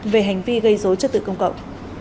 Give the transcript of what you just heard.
về hành vi gây dối chất tự công cộng